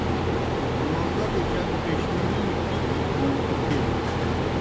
روزہ دہ جک پیشمِنِی ٹِکیْ کھون اُتھینَن۔